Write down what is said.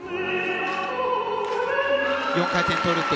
４回転トウループ。